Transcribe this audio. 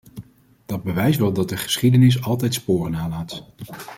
Dat bewijst wel dat de geschiedenis altijd sporen nalaat.